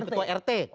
waktu itu gak jadi